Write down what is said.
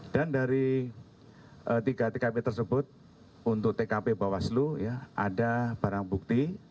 dan dari tiga tkp tersebut untuk tkp bawaslu ya ada barang bukti